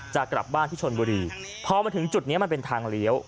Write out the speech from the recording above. จะกลับบ้านที่ชนบุรีพอมาถึงจุดนี้มันเป็นทางเลี้ยว